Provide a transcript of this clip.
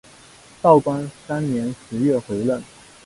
道光三年十月回任。